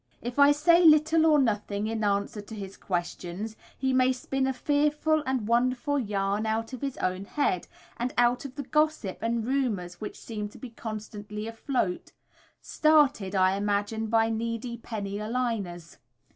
If I say little or nothing in answer to his questions, he may spin a fearful and wonderful yarn out of his own head, and out of the gossip and rumours which seem to be constantly afloat, started, I imagine, by needy penny a liners.